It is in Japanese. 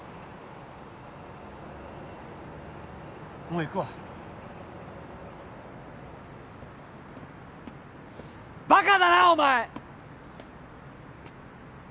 もう行くわバカだなお前！